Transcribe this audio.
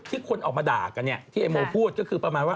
คนออกมาด่ากันเนี่ยที่ไอ้โมพูดก็คือประมาณว่า